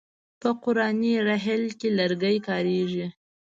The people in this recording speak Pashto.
په قرآني رحل کې لرګی کاریږي.